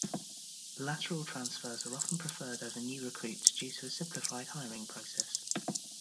Lateral transfers are often preferred over new recruits due to a simplified hiring process.